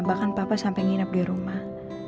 bahkan papa sampai nginep di rumah